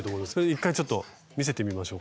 一回ちょっと見せてみましょう。